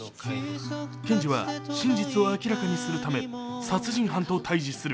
検事は、真実を明らかにするため殺人犯と対峙する。